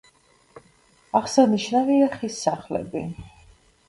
აღსანიშნავია ხის სახლები.